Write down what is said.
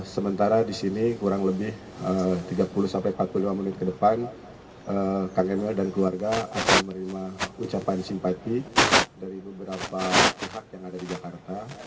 sementara di sini kurang lebih tiga puluh sampai empat puluh lima menit ke depan kang emil dan keluarga akan menerima ucapan simpati dari beberapa pihak yang ada di jakarta